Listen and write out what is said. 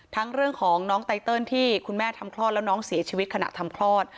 เรื่องของน้องไตเติลที่คุณแม่ทำคลอดแล้วน้องเสียชีวิตขณะทำคลอด